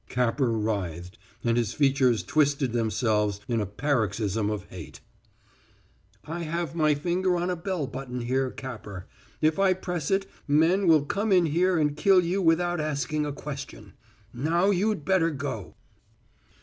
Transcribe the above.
Capper writhed, and his features twisted themselves in a paroxysm of hate. "I have my finger on a bell button here, Capper. If I press it men will come in here and kill you without asking a question. Now you'd better go."